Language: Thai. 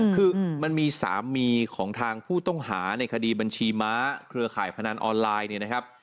คือมันมีสามีของทางผู้ต้องหาในคดีบัญชีม้าเครือข่ายพนันออนไลน์เนี่ยนะครับ